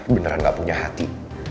beneran gak punya hati